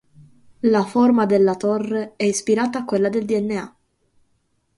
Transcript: La forma della torre è ispirata a quella del dna.